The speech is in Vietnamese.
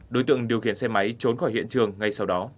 đối tượng điều khiển xe máy trốn khỏi hiện trường ngay sau đó